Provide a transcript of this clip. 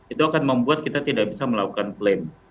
itu akan membuat kita tidak bisa melakukan klaim